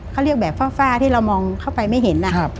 เขาเรียกแบบฟ้าที่เรามองเข้าไปไม่เห็น